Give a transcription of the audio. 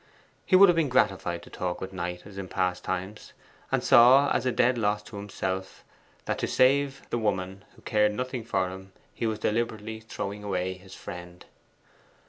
He would have been gratified to talk with Knight as in past times, and saw as a dead loss to himself that, to save the woman who cared nothing for him, he was deliberately throwing away his friend.